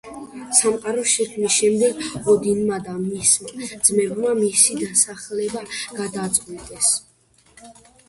სამყაროს შექმნის შემდეგ, ოდინმა და მისმა ძმებმა მისი დასახლება გადაწყვიტეს.